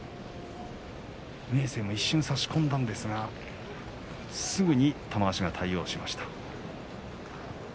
明生も一瞬、差し込んだんですがすぐに玉鷲が対応しました。